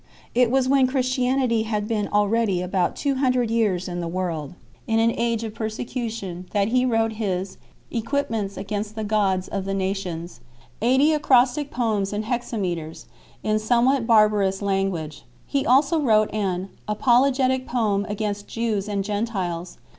It was when Christianity had been already about two hundred years in the world, in an age of persecution 5 , that he wrote his " Equipments against the gods of the Nations" eighty acrostic poems in hexameters, in somewhat barbarous language. He also wrote an "Apologetic Poem against Jews and Gentiles."